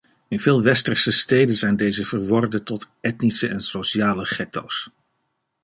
In veel westerse steden zijn deze verworden tot etnische en sociale getto’s.